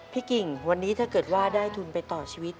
พี่กิ่งวันนี้ถ้าถึงได้ทุนต่อชีวิต